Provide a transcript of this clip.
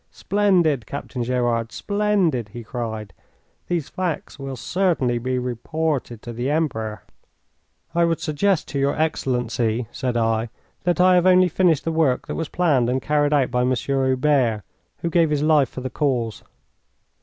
"Splendid, Captain Gerard, splendid!" he cried. "These facts will certainly be reported to the Emperor." "I would suggest to your Excellency," said I, "that I have only finished the work that was planned and carried out by Monsieur Hubert, who gave his life for the cause."